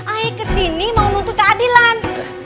ae kesini mau nuntuk keadilan